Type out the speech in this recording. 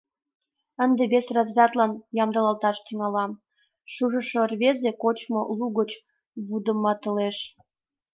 Ынде вес разрядлан ямдылалташ тӱҥалам, — шужышо рвезе кочмо лугыч вудыматылеш.